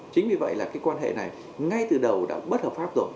chính vì vậy là cái quan hệ này ngay từ đầu đã bất hợp pháp rồi